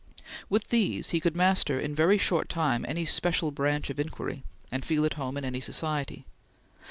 With these, he could master in very short time any special branch of inquiry, and feel at home in any society.